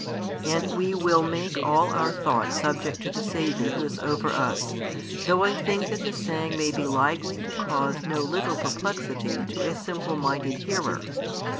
And we will make all our thoughts subject to the Saviour Who is over us, though I think that the saying may be likely to cause no little perplexity to a simple minded hearer.